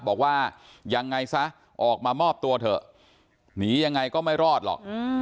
บอกว่ายังไงซะออกมามอบตัวเถอะหนียังไงก็ไม่รอดหรอก